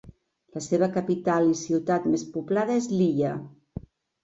La seva capital i ciutat més poblada és Lilla.